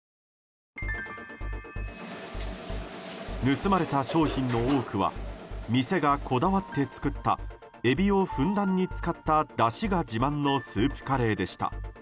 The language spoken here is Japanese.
盗まれた商品の多くは店がこだわって作ったエビをふんだんに使っただしが自慢のスープカレーでした。